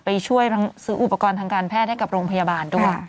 ไปช่วยซื้ออุปกรณ์ทางการแพทย์ให้กับโรงพยาบาลด้วย